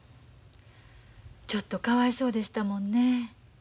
ちょっとかわいそうでしたもんね。